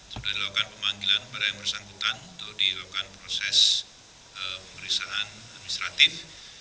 sudah dilakukan pemanggilan kepada yang bersangkutan untuk dilakukan proses pemeriksaan administratif